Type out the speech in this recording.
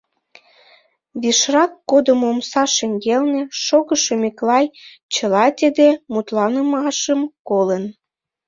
Вишрак кодымо омса шеҥгелне шогышо Миклай чыла тиде мутланымашым колын.